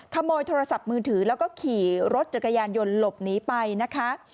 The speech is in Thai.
ขโมยโทรศัพท์มือถือแล้วก็ขี่รถจักรยานยนต์หลบหนีไปนะคะ